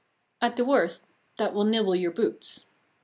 At the worst that will nibble your boots.